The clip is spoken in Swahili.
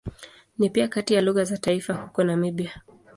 Ni pia kati ya lugha za taifa huko Namibia.